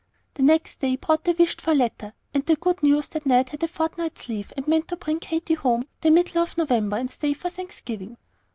The next day brought the wished for letter, and the good news that Ned had a fortnight's leave, and meant to bring Katy home the middle of November, and stay for Thanksgiving.